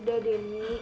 sudah deh mi